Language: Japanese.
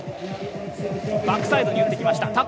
バックサイドにうってきました。